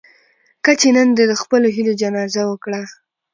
کچې نن دې د خپلو هيلو جنازه وکړه.